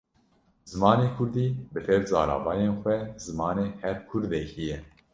Zimanê Kurdî bi tev zaravayên xwe zimanê her Kurdekî ye.